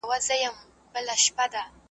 ګوټ د شرابو پۀ نامۀ د یوه هېر اړووم